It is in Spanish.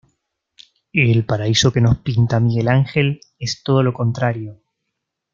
El Paraíso que nos pinta Miguel Ángel es todo lo contrario.